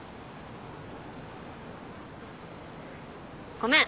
ごめん。